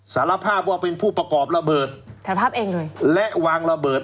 สารภาพว่าเป็นผู้ประกอบระเบิดสารภาพเองเลยและวางระเบิด